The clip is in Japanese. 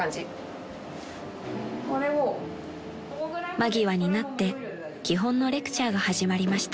［間際になって基本のレクチャーが始まりました］